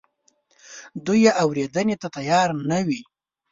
دوی یې اورېدنې ته تیار نه وي.